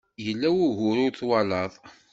Yella wugur ur twalaḍ.